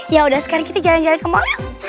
yaudah sekarang kita jalan jalan ke mall yuk